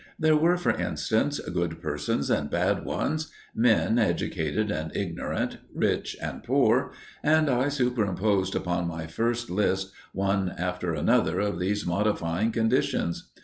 There were, for instance, good persons and bad ones, men educated and ignorant, rich and poor, and I superimposed upon my first list one after another of these modifying conditions.